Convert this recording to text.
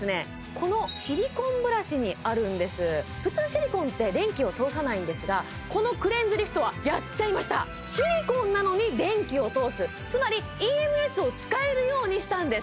このシリコンブラシにあるんです普通シリコンって電気を通さないんですがこのクレンズリフトはやっちゃいましたシリコンなのに電気を通すつまりＥＭＳを使えるようにしたんです